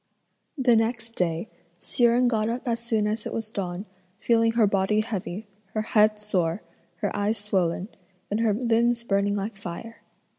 The next day, Hsi Jen got up as soon as it was dawn, feeling her body heavy, her head sore, her eyes swollen, and her limbs burning like fire.